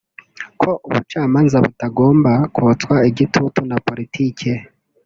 ko ubucamanza butagomba kotswa igitutu na politike